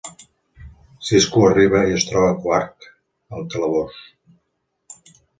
Sisko arriba i es troba Quark al calabós.